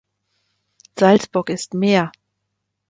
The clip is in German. Salzburg ist mehr"".